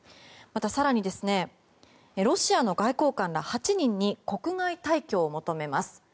また、更にロシアの外交官ら８人に国外退去を求めます。